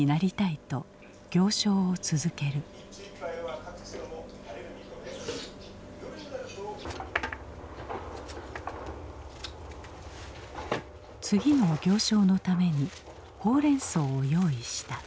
次の行商のためにほうれんそうを用意した。